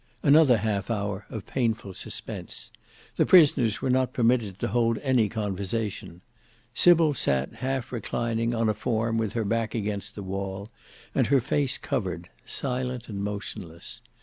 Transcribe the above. Another half hour of painful suspense. The prisoners were not permitted to hold any conversation; Sybil sat half reclining on a form with her back against the wall, and her face covered, silent and motionless.